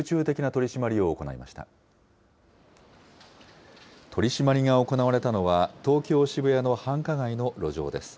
取締りが行われたのは、東京・渋谷の繁華街の路上です。